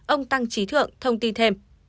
ông tăng trí thượng thông tin thêm